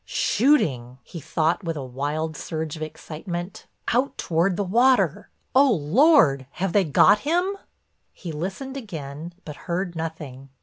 "Shooting!" he thought with a wild surge of excitement, "out toward the water—Oh, Lord, have they got him?" He listened again, but heard nothing.